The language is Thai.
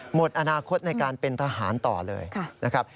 หมดอนาคตในการเป็นทหารต่อเลยนะครับ